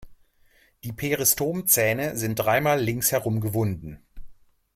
Die Peristomzähne sind dreimal linksherum gewunden.